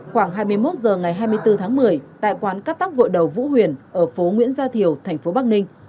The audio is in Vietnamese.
khoảng hai mươi một giờ ngày hai mươi bốn tháng một mươi tại quán cắt tóc gội đầu vũ huyền ở phố nguyễn gia thiều tp bắc ninh